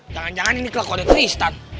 jangan jangan ini kelah kode tristan